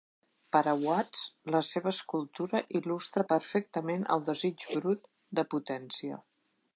Per a Watts, la seva escultura il·lustra perfectament el desig brut de potència.